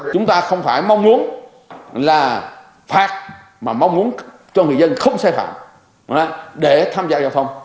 chúng ta không phải mong muốn là phạt mà mong muốn cho người dân không sai phạm để tham gia giao thông